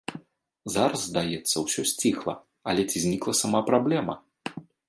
Зараз, здаецца, усё сціхла, але ці знікла сама праблема?